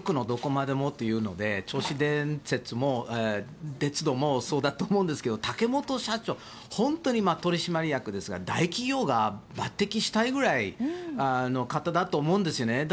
どこまでもということで銚子電鉄もそうだと思うんですけど竹本社長、本当に取締役ですが大企業が抜てきしたいぐらいの方だと思うんですよね。